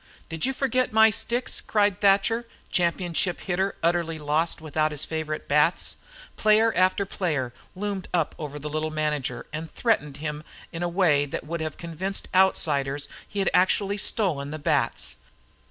"Did you forget my sticks?" cried Thatcher, champion hitter, utterly lost without his favorite bats. Player after player loomed up over the little manager and threatened him in a way that would have convinced outsiders he had actually stolen the bats.